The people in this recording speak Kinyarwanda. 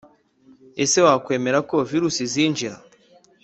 Ese wakwemera ko virusi zinjira